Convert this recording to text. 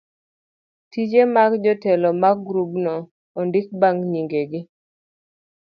tije mag jotelo mag grubno ondik bang' nyingegi.